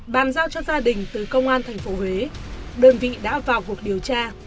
bàn giao cho gia đình từ công an thành phố huế đơn vị đã vào cuộc điều tra